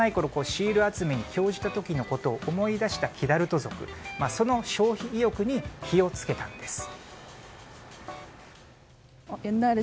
シール集めに興じた時のことを思い出したキダルト族その消費意欲に火を付けたんです。